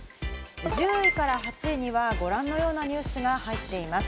１０位から８位にはご覧のようなニュースが入っています。